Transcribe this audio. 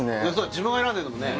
自分が選んでるんだもんね